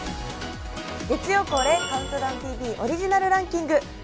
月曜恒例「ＣＤＴＶ」オリジナルランキング。